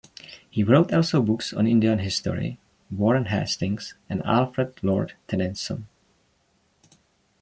He wrote also books on Indian history, Warren Hastings, and Alfred Lord Tennyson.